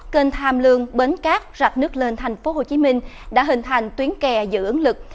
kênh tham lương bến cát rạch nước lên thành phố hồ chí minh đã hình thành tuyến kè giữ ứng lực